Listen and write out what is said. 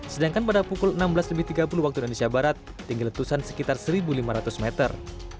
sedangkan pada pukul enam belas lebih tiga puluh waktu indonesia barat tinggi letusan sekitar satu lima ratus meter